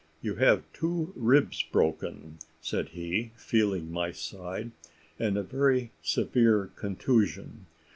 "You have two ribs broken," said he, feeling my side, "and a very severe contusion.